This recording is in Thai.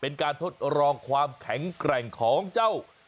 เป็นการทดลองความแข็งแกร่งของเจ้า